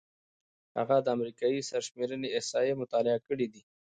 هغه د امریکايي سرشمېرنې احصایې مطالعه کړې دي.